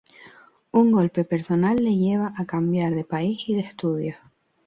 Un golpe personal le lleva a cambiar de país y de estudios.